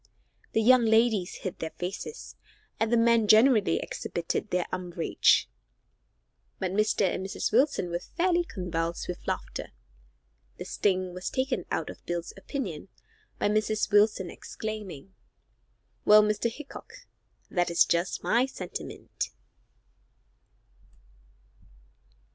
The young ladies hid their faces, and the men generally exhibited their umbrage, but Mr. and Mrs. Wilson were fairly convulsed with laughter. The sting was taken out of Bill's opinion by Mrs. Wilson exclaiming, "Well, Mr. Hickok, that is just my sentiment."